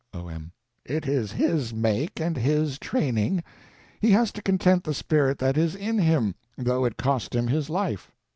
O.M. It is his make and his training. He has to content the spirit that is in him, though it cost him his life.